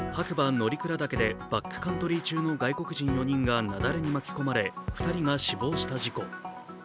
乗鞍岳でバックカントリー中の外国人４人が雪崩に巻き込まれ２人が死亡した事故。